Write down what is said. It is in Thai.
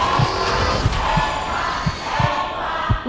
เทปไส